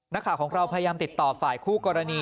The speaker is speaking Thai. นักข่าวของเราพยายามติดต่อฝ่ายคู่กรณี